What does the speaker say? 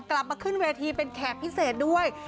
กลับมาขึ้นเวทีเป็นแขกพิเศษด้วย